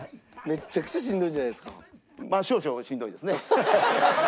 めっちゃくちゃしんどいんじゃないですか？